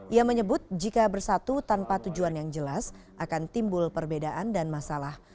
ia menyebut jika bersatu tanpa tujuan yang jelas akan timbul perbedaan dan masalah